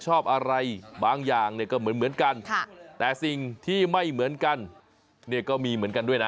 ชอบอะไรบางอย่างเนี่ยก็เหมือนกันแต่สิ่งที่ไม่เหมือนกันเนี่ยก็มีเหมือนกันด้วยนะ